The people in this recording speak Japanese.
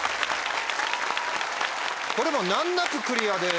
これも難なくクリアです。